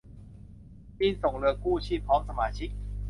จึงส่งเรือกู้ชีพพร้อมสมาชิก